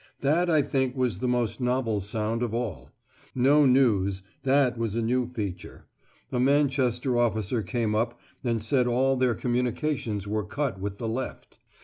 That I think was the most novel sound of all. No news. That was a new feature. A Manchester officer came up and said all their communications were cut with the left.